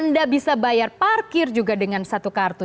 anda bisa bayar parkir juga dengan satu kartu